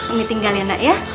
ini tinggal ya nak ya